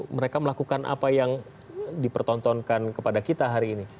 mereka melakukan apa yang dipertontonkan kepada kita hari ini